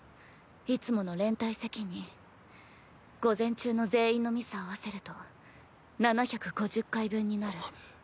いつもの“連帯責任”午前中の全員のミス合わせると７５０回分になる。